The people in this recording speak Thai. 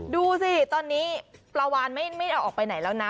ดูสิตอนนี้ปลาวานไม่ได้ออกไปไหนแล้วนะ